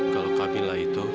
kalau kamila itu